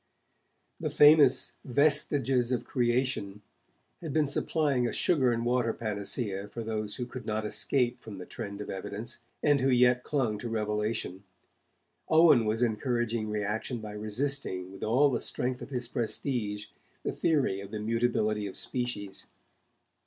The famous 'Vestiges of Creation' had been supplying a sugar and water panacea for those who could not escape from the trend of evidence, and who yet clung to revelation. Owen was encouraging reaction by resisting, with all the strength of his prestige, the theory of the mutability of species.